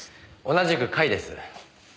同じく甲斐です。